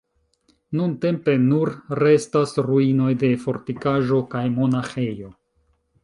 Nuntempe nur restas ruinoj de fortikaĵo kaj monaĥejo.